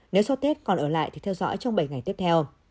nếu sau tết còn ở lại thì theo dõi trong bảy ngày tiếp theo